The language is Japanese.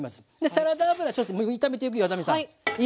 サラダ油ちょっと炒めていくよ奈実さんいい？